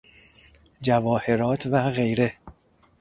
جواهرات و غیره